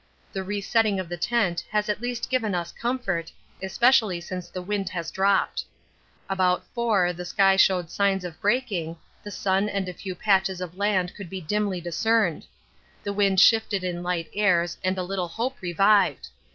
The re setting of the tent has at least given us comfort, especially since the wind has dropped. About 4 the sky showed signs of breaking, the sun and a few patches of land could be dimly discerned. The wind shifted in light airs and a little hope revived.